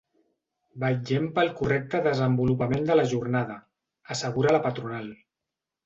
“Vetllem pel correcte desenvolupament de la jornada”, assegura la patronal.